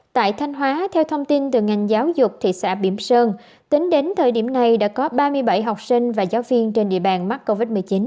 tại thanh hóa theo thông tin từ ngành giáo dục thị xã biểm sơn tính đến thời điểm này đã có ba mươi bảy học sinh và giáo viên trên địa bàn mắc covid một mươi chín